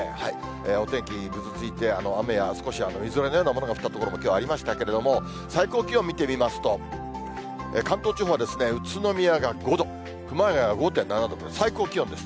お天気、ぐずついて、雨や少しみぞれのようなものが降った所も、きょうありましたけれども、最高気温見てみますと、関東地方は、宇都宮が５度、熊谷が５．７度と、最高気温です。